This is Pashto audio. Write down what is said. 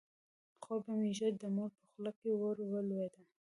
خور به مې ژر د مور په خوله کې ور ولویده.